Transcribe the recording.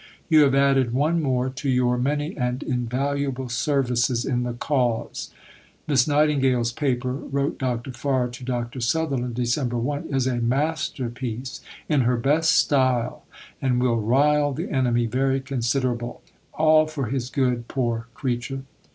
You have added one more to your many and invaluable services in the cause." "Miss Nightingale's Paper," wrote Dr. Farr to Dr. Sutherland (Dec. 1), "is a masterpiece, in her best style; and will rile the enemy very considerable all for his good, poor creature."